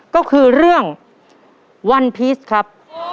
ก็คือเรื่องวันพีชครับ